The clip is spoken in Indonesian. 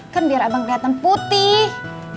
kan biar abang kelihatan putih